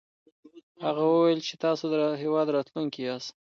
هغه وويل چې تاسې د هېواد راتلونکی ياست.